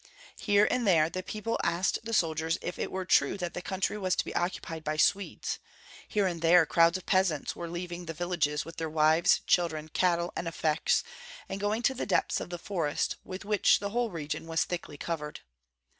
Here and there the people asked the soldiers if it were true that the country was to be occupied by Swedes; here and there crowds of peasants were leaving the villages with their wives, children, cattle, and effects, and going to the depths of the forest, with which the whole region was thickly covered.